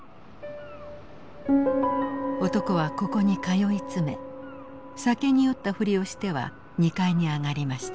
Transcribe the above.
男はここに通い詰め酒に酔ったふりをしては２階に上がりました。